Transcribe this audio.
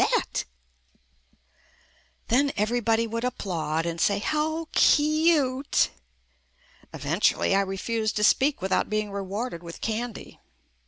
????" JUST ME Then everybody would applaud and say "How cute!" Eventually I refused to speak without being rewarded with candy.